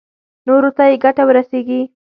نورو ته يې ګټه ورسېږي.